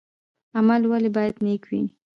عمل ولې باید نیک وي؟